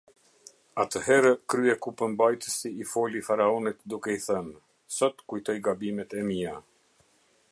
Atëherë kryekupëmbajtësi i foli Faraonit duke i thënë: "Sot kujtoj gabimet e mia.